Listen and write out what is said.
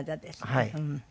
はい。